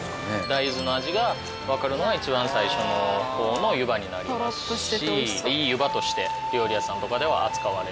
大豆の味がわかるのは一番最初の方の湯葉になりますしいい湯葉として料理屋さんとかでは扱われる。